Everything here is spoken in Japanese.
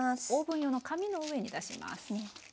オーブン用の紙の上に出します。